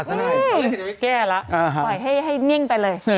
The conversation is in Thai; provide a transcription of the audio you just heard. ใช่แก้แล้วปล่อยให้นิ่งไปเลย